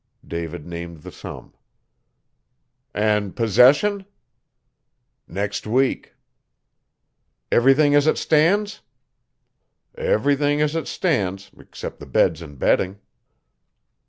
David named the sum. 'An' possession?' 'Next week' 'Everything as it stan's?' 'Everything as it stan's 'cept the beds an' bedding.'